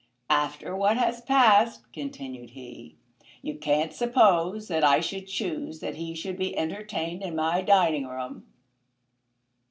"After what has passed," continued he, "you can't suppose that I should choose that he should be entertained in my dining room."